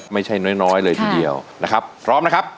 ไม่ใช่น้อยเลยทีเดียวนะครับพร้อมนะครับ